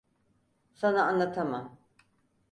Sana anlatamam.